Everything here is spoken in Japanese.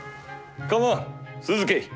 構わん続けい。